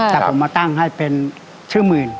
แต่ผมมาตั้งให้เป็นชื่อหมื่น